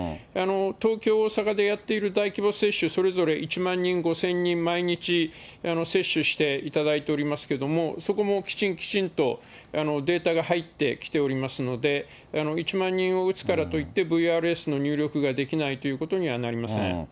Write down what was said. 東京、大阪でやっている大規模接種、それぞれ１万人、５０００人、毎日、接種していただいておりますけども、そこもきちんきちんと、データが入ってきておりますので、１万人を打つからといって、ＶＲＳの入力ができないということにはなりません。